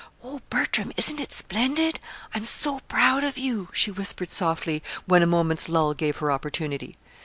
"Oh, Bertram, isn't it splendid! I'm so proud of you," she whispered softly, when a moment's lull gave her opportunity.